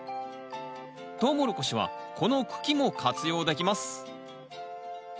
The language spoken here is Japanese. トウモロコシはこの茎も活用できます